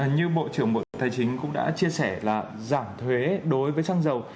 như bộ trưởng bộ tài chính cũng đã chia sẻ là giảm thuế đối với xăng dầu